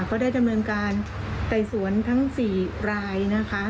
ก็ได้ดำเนินการไต่สวนทั้ง๔รายนะคะ